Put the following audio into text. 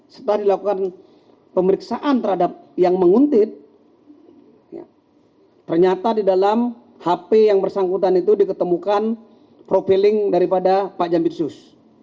setelah dilakukan pemeriksaan terhadap yang menguntit ternyata di dalam hp yang bersangkutan itu diketemukan profiling daripada pak jambitsus